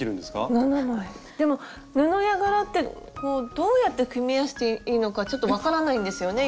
でも布や柄ってどうやって組み合わせていいのかちょっと分からないんですよね